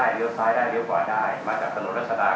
เลี้ยซ้ายได้เลี้ยวขวาได้มาจากถนนรัชดา